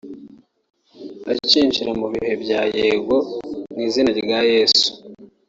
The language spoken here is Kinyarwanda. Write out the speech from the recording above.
akinjira mu bihe bya yego mu izina rya yesu